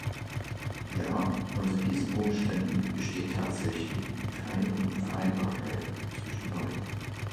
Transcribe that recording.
Ja, unter diesen Umständen besteht tatsächlich keine Unvereinbarkeit zwischen beiden.